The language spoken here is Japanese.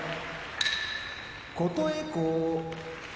琴恵光